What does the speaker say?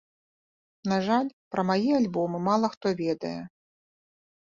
На жаль, пра мае альбомы мала хто ведае.